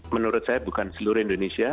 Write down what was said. menurut saya bukan seluruh indonesia